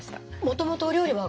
もともとお料理は。